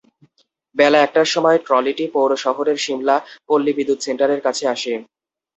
বেলা একটার সময় ট্রলিটি পৌর শহরের শিমলা পল্লী বিদ্যুৎ সেন্টারের কাছে আসে।